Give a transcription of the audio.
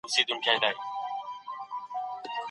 ملي مجموعي توليد د اقتصادي ودي مهم شاخص دی.